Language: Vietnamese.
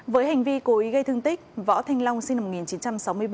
với hành vi cố ý gây thương tích võ thanh long sinh năm một nghìn chín trăm sáu mươi ba